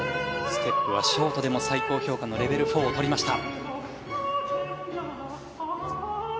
ステップはショートでも最高評価のレベル４を取りました。